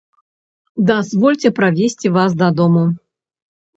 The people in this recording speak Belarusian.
Дазвольце правесці вас дадому.